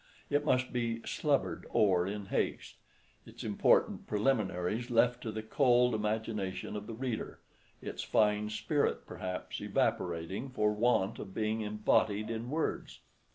It must be "slubber'd o'er in haste"—its important preliminaries left to the cold imagination of the reader—its fine spirit perhaps evaporating for want of being embodied in words.